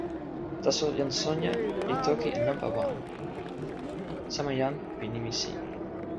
taso jan Sonja li toki e nanpa wan, sama jan pi nimi sin.